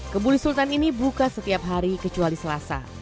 kebuli sultan ini buka setiap hari kecuali selasa